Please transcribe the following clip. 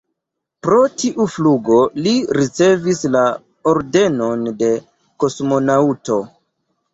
Pro tiu flugo li ricevis la Ordenon de kosmonaŭto.